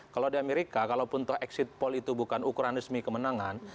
kalau di amerika kalaupun toh exit poll itu bukan ukuran resmi kemenangan